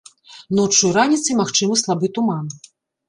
Ноччу і раніцай магчымы слабы туман.